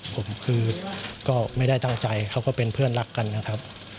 ผมคือก็ไม่ได้ตั้งใจเขาก็เป็นเพื่อนรักกันนะครับ